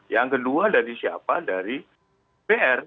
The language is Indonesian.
yang kedua dari siapa dari pr